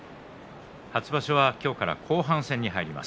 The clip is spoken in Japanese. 初場所は今日から後半戦に入ります。